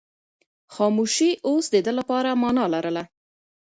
خاموشي اوس د ده لپاره مانا لرله.